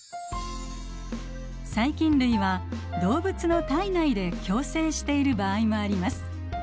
細菌類は動物の体内で共生している場合もあります。